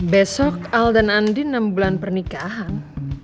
besok al dan andi enam bulan pernikahan